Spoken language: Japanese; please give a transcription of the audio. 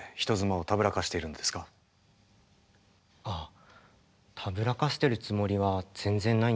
あたぶらかしているつもりは全然ないんですけどね。